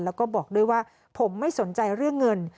แล้วก็บอกด้วยว่าผมไม่สนใจเรื่องเงิน